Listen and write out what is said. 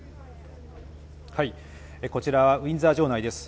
こちら、ウィンザー城内です。